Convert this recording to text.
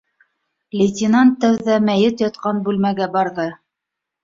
Лейтенант тәүҙә мәйет ятҡан бүлмәгә барҙы.